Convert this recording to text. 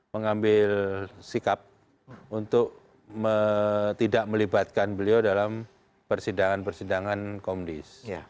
mengambil sikap untuk tidak melibatkan beliau dalam persidangan persidangan komdis